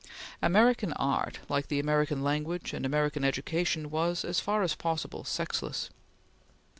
American art, like the American language and American education, was as far as possible sexless.